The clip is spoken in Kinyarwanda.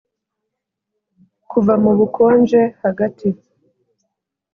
kuva mu bukonje, hagati